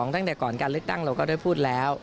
ตั้งแต่ก่อนการเลือกตั้งเราก็ได้พูดแล้ว